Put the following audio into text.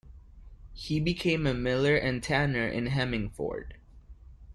He became a miller and tanner in Hemmingford.